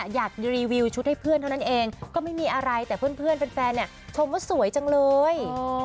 อยากรีวิวชุดให้เพื่อนเท่านั้นเองก็ไม่มีอะไรแต่เพื่อนเป็นแฟนชมว่าสวยจังเลย